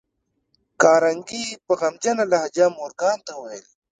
کارنګي په غمجنه لهجه مورګان ته وویل